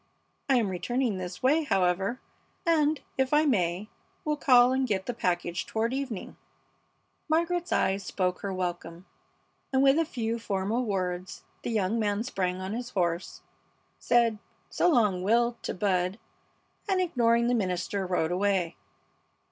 I am returning this way, however, and, if I may, will call and get the package toward evening." Margaret's eyes spoke her welcome, and with a few formal words the young man sprang on his horse, said, "So long, Will!" to Bud, and, ignoring the minister, rode away.